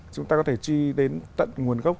chúng ta có thể chi đến tận nguồn gốc